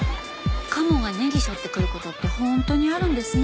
鴨がネギしょってくる事って本当にあるんですね。